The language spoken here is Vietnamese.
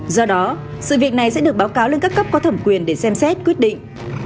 do đó sự việc này sẽ được báo cáo lên các cấp có thẩm quyền để xem xét quyết định